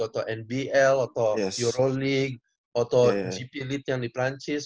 atau nbl atau euro league atau gp league yang di prancis